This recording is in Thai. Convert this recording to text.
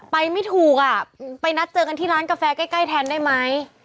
ไม่ถูกอ่ะไปนัดเจอกันที่ร้านกาแฟใกล้แทนได้ไหม